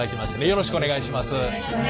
よろしくお願いします。